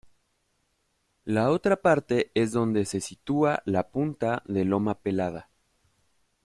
La otra parte es donde se sitúa la punta de Loma Pelada.